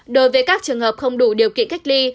đối với các trường hợp không đủ điều kiện cách ly